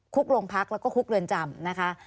คุกโรงพักษณ์แล้วก็คุกเรียนจำ